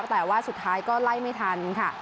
แต่ว่าสุดท้ายก็ไล่ไม่ทันค่ะ